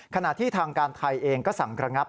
ขณะที่ทางการไทยเองก็สั่งระงับ